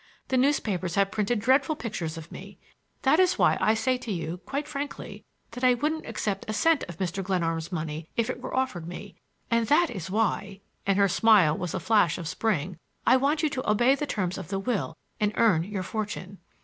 The newspapers have printed dreadful pictures of me. That is why I say to you, quite frankly, that I wouldn't accept a cent of Mr. Glenarm's money if it were offered me; and that is why,"—and her smile was a flash of spring,—"I want you to obey the terms of the will and earn your fortune."